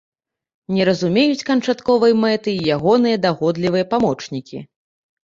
Не разумеюць канчатковай мэты й ягоныя дагодлівыя памочнікі.